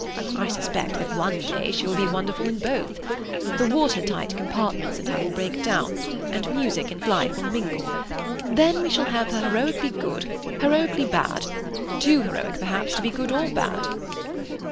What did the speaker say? I suspect that one day she will be wonderful in both. The water tight compartments in her will break down, and music and life will mingle. Then we shall have her heroically good, heroically bad—too heroic, perhaps, to be good or bad."